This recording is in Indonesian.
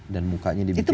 dan mukanya dibikin mirip